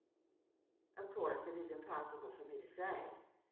Of course it is impossible for me to say.